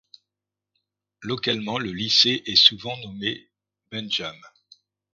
Localement, le lycée est souvent nommé Benjam.